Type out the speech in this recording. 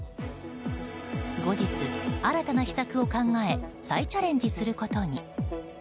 後日、新たな秘策を考え再チャレンジすることに。